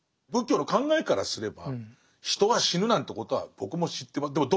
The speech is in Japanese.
仏教の考えからすれば人が死ぬなんてことは僕も知ってます。